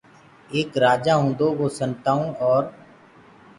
ايڪ رآجآ هونٚدو وو سنتآئوٚنٚ اورَ